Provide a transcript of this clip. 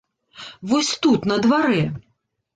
Вось тут, на дварэ!